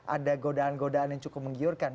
ada godaan godaan yang cukup menggiurkan